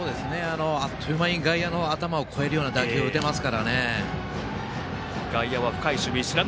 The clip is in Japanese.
あっという間に外野の頭を越えるような打球を打てますからね。